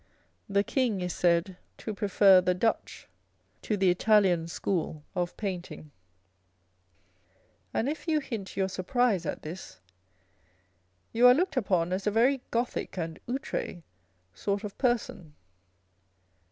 The King is said to prefer the Dutch to the Italian school of painting ; and if you hint your surprise at this, you are looked upon as a very Gothic and outre sort of person.